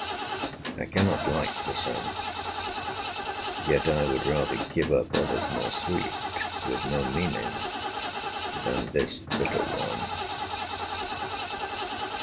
I cannot like the scent, Yet I would rather give up others more sweet, With no meaning, than this bitter one.